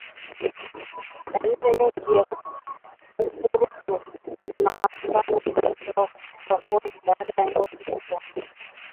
Dalili nyingine ya ukurutu ni magamba kujitokeza kwenye ngozi baada ya ngozi kupona